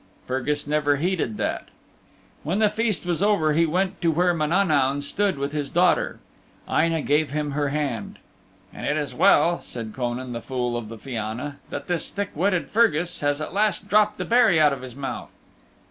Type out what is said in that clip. Fergus never heeded that. When the feast was over he went to where Mananaun stood with his daughter. Aine' gave him her hand. "And it is well," said Conan, the Fool of the Fianna, "that this thick witted Fergus has at last dropped the berry out of his mouth."